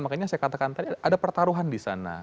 makanya saya katakan tadi ada pertaruhan di sana